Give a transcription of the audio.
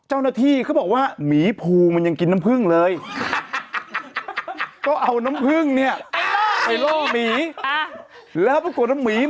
เออมันมีผูละเนี่ยมันมีผูละเนี่ย